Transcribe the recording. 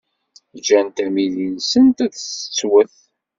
Ǧǧant amidi-nsent ad tettwet.